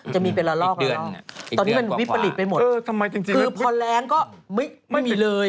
จะมีเป็นละลอกเลยตอนนี้มันวิปริตไปหมดคือพอแรงก็ไม่มีเลย